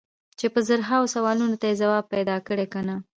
چې په زرهاوو سوالونو ته یې ځواب پیدا کړی که نه.